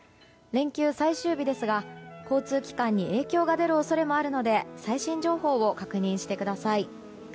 連休最終日ですが交通機関に影響が出る恐れもあるので最新情報を確認してください。